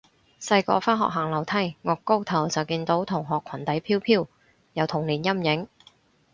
細個返學行樓梯，顎高頭就見到同學裙底飄飄，有童年陰影